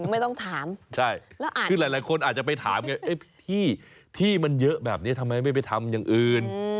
ไม่ต้องถามใช่คือหลายคนอาจจะไปถามไงที่มันเยอะแบบนี้ทำไมไม่ไปทำอย่างอื่น